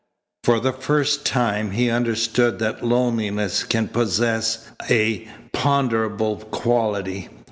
For the first time he understood that loneliness can possess a ponderable quality.